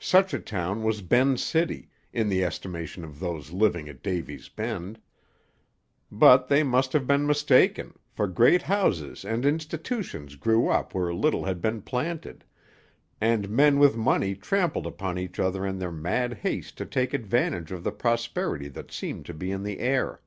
Such a town was Ben's City, in the estimation of those living at Davy's Bend; but they must have been mistaken, for great houses and institutions grew up where little had been planted, and men with money trampled upon each other in their mad haste to take advantage of the prosperity that seemed to be in the air.